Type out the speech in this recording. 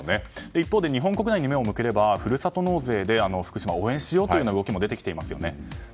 一方で日本国内に目を向ければふるさと納税で福島を応援しようという動きが出てきていますよね。